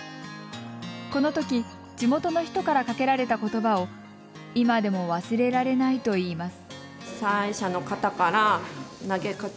このとき地元の人から、かけられた言葉を今でも忘れられないといいます。